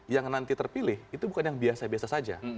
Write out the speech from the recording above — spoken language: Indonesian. yang nanti terpilih itu bukan yang biasa biasa saja